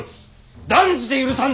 断じて許さんと！